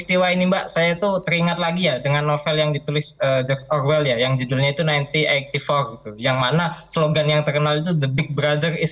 yang ditulis george orwell yang judulnya seribu sembilan ratus delapan puluh empat yang mana slogan yang terkenal the big brother is